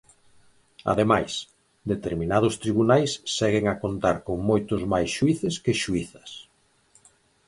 Ademais, determinados tribunais seguen a contar con moitos máis xuíces que xuízas.